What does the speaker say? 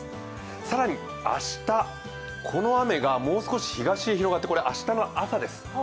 更に明日、この雨がもう少し東へ広がって、これ明日の朝です。